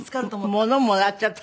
ものもらっちゃって。